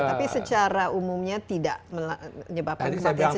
tapi secara umumnya tidak menyebabkan kematian secara langsung